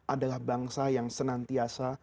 adalah bangsa yang senantiasa